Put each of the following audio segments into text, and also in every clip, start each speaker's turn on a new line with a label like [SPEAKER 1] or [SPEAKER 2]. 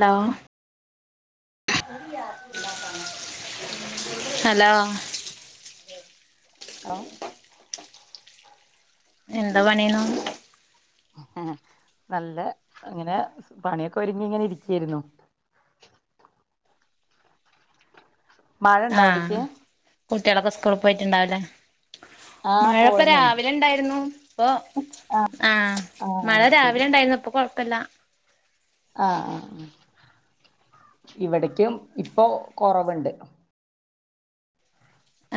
[SPEAKER 1] Hello hello
[SPEAKER 2] hello
[SPEAKER 1] എന്താ പണിയെയ്നു
[SPEAKER 2] നല്ല അങ്ങനെ പണിയൊക്കെ ഒരുങ്ങി ഇങ്ങനെ ഇരിക്കായിരുന്നു. മഴ ഇണ്ടോ അവിടേക്ക്
[SPEAKER 1] ആഹ് കുട്ടികളൊക്കെ സ്കൂളിപോയിട്ടുണ്ടാവുലേ.
[SPEAKER 2] ആഹ്
[SPEAKER 1] മഴപ്പ
[SPEAKER 2] പോണേ
[SPEAKER 1] രാവിലെണ്ടായിരുന്നു. അപ്പൊ ആഹ്
[SPEAKER 2] ആഹ്
[SPEAKER 1] മഴ
[SPEAKER 2] അത് ശരി
[SPEAKER 1] രാവിലെ ഉണ്ടായിരുന്നു ഇപ്പൊ കുഴപ്പില്ല.
[SPEAKER 2] ആഹ് ഇവിടക്കും ഇപ്പൊ കൊറവുണ്ട്.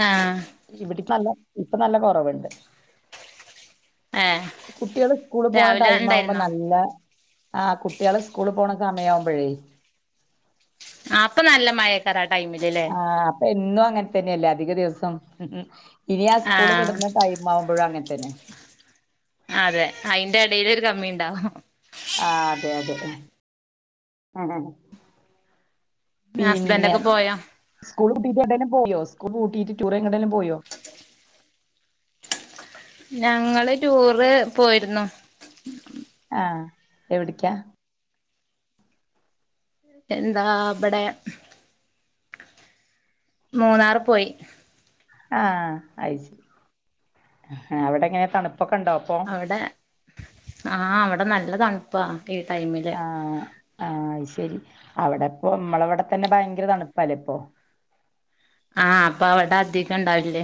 [SPEAKER 1] ആഹ്
[SPEAKER 2] ഇവിടക്ക് നല്ല ഇപ്പ നല്ല കുറവുണ്ട്.
[SPEAKER 1] ഏഹ്
[SPEAKER 2] കുട്ടികൾ സ്കൂളിൽ
[SPEAKER 1] രാവിലെ
[SPEAKER 2] പോണടൈം ആവുമ്പോ
[SPEAKER 1] ഉണ്ടായിരുന്നോ
[SPEAKER 2] നല്ല ആഹ് കുട്ടികളെ സ്കൂളിൽ പോണസമയയാവുമ്പോഴേ.
[SPEAKER 1] ആഹ് അപ്പൊനല്ല മഴയാ ട്ടര ആട്ടയിമ്മിൽ.
[SPEAKER 2] ആഹ് അപ്പൊ എന്നും അങ്ങനെതന്നെയല്ലേ അധിക ദിവസം ഇനി ആ സ്കൂള്
[SPEAKER 1] ആഹ്
[SPEAKER 2] വിടുന്ന ടൈ മാവമ്പോഴും അങ്ങനത്തന്നെ.
[SPEAKER 1] അതെ അതിന്റെ ഇടയിൽ ഒരു കമ്മിണ്ടാവോ
[SPEAKER 2] ആഹ് അതെ അതെ പിന്നെ
[SPEAKER 1] ഹസ്ബൻഡൊക്കെ പോയോ
[SPEAKER 2] സ്കൂൾ പൂട്ടിയിട്ട് എവിടേലും പോയോ സ്കൂൾ പൂട്ടിയിട്ട് ടൂർ എങ്ങടോലും പോയോ?
[SPEAKER 1] ഞങ്ങള് ടൂറ് പോയിരുന്നു.
[SPEAKER 2] ആഹ് എവിടിക്കാ.
[SPEAKER 1] എന്താ ബടെ. മൂന്നാർ പോയി.
[SPEAKER 2] ആഹ് അശേരി അവിടെ എങ്ങനെ തണുപ്പൊക്കെണ്ടോ?
[SPEAKER 1] അവിടെ ആഹ് അവിടെ നല്ല തണുപ്പാ ഈ ടൈം
[SPEAKER 2] ആഹ് ആഹ് അത് ശരി അവിടെപ്പ നമ്മളവിടെ തന്നെ ഭയങ്കര തണുപ്പല്ലപ്പൊ.
[SPEAKER 1] ആഹ് അപ്പൊ അവിടെ ആതികണ്ടാവില്ലേ.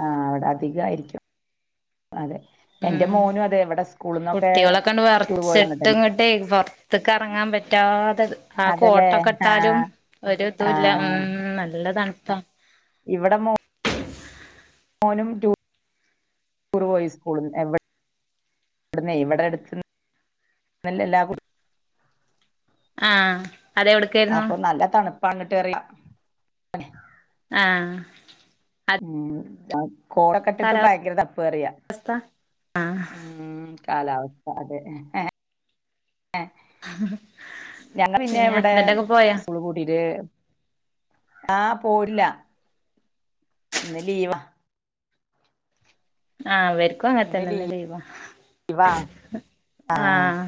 [SPEAKER 2] ആഹ് അവിടെ അധികമായിരിക്കും അതെ. എന്റെ
[SPEAKER 1] ഉം
[SPEAKER 2] മോനും അതെ ഇവിടെ സ്കൂളന്നൊക്കെ
[SPEAKER 1] കുട്ടികളൊക്കെണ്ട്
[SPEAKER 2] ടൂർ പോയിന്നട്ടന്നെ.
[SPEAKER 1] ത്തക്ക് ഇറങ്ങാൻ പറ്റാതെ ആ
[SPEAKER 2] അതല്ലേ
[SPEAKER 1] കോട്ടൊക്കെ ഇട്ടാലും
[SPEAKER 2] ആഹ്
[SPEAKER 1] ഒരു ഇതുഇല്ല ഉം
[SPEAKER 2] ആഹ്
[SPEAKER 1] നല്ല നല്ല തണുപ്പാ.
[SPEAKER 2] ഇവിടെ മോ മോനും ടൂറ് പോയി സ്കൂള് എവിടെ ഇവിടുന്നേ ഇവിടെ അടുത്ത്ന്ന് എല്ലാ
[SPEAKER 1] ആഹ് അതെവിടെ
[SPEAKER 2] അപ്പൊ നല്ല തണുപ്പാണിട്ട് എറിയാം
[SPEAKER 1] ആഹ് അത്
[SPEAKER 2] ഉം കോടക്കെ ഇട്ടിട്ട്
[SPEAKER 1] കാലാവസ്ഥ
[SPEAKER 2] ഭയങ്കര തപ്പ് പറയാ
[SPEAKER 1] ആഹ്
[SPEAKER 2] ഉം കാലാവസ്ഥ അതെ ഏ ഞങ്ങള് പിന്നെ ഇവിടെ
[SPEAKER 1] ഹസ്ബൻഡ് ഒക്കെ പോയാ
[SPEAKER 2] സ്കുള് പൂട്ടിയിട്ട് ആഹ് പോവില്ല ഇന്ന് ലീവാ
[SPEAKER 1] ആഹ് ഇവരിക്കും അങ്ങനത്തന്നെ ഇന്ന് ലീവാ
[SPEAKER 2] ലീവാ ആ
[SPEAKER 1] ആഹ്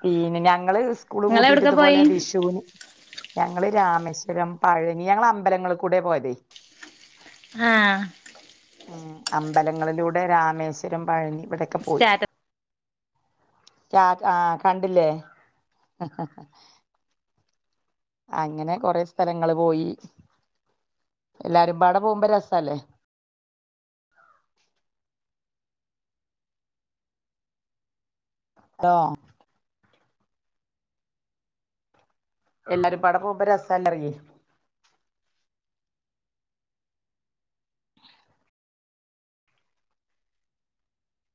[SPEAKER 2] പിന്നെ ഞങ്ങള് സ്കൂള് പൂട്ടീട്ട്
[SPEAKER 1] നിങ്ങളെവിടക്കാ പോയി
[SPEAKER 2] ഇതുപോലെ വിഷുവിന് ഞങ്ങള് രാമേശ്വരം പഴനി ഞങ്ങള് അമ്പലങ്ങളിൽ കൂടെയാ പോയതേ
[SPEAKER 1] ആഹ്
[SPEAKER 2] ഉം അമ്പലങ്ങളിലൂടെ രാമേശ്വരം പഴനി ഇവിടൊക്കെ പോയി
[SPEAKER 1] സ്റ്റാറ്റ
[SPEAKER 2] രാ ആഹ് കണ്ടില്ലേ അങ്ങനെ കൊറേ സ്ഥലങ്ങള് പോയി. എല്ലാരും പാടെ പോകുമ്പോ രസല്ലെ ആഹ് എല്ലാരും പാടെ പോവുമ്പം രസല്ലെറ്യെ. [inaudible]